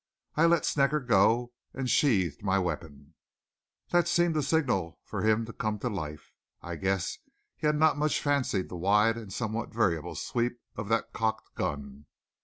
I let Snecker go and sheathed my weapon. That seemed a signal for him to come to life. I guessed he had not much fancied the wide and somewhat variable sweep of that cocked gun.